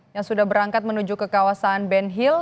yang sudah berangkat menuju ke kawasan benhil